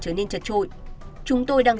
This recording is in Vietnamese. trở nên chật trội chúng tôi đang